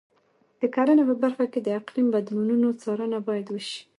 د کرنې په برخه کې د اقلیم بدلونونو څارنه باید وشي.